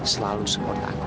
selalu support aku